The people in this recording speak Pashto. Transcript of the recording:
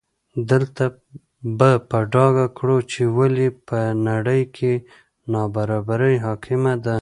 دلته به په ډاګه کړو چې ولې په نړۍ کې نابرابري حاکمه ده.